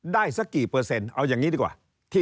ได้สักกี่เปอร์เซ็นต์เอาอย่างนี้ดีกว่า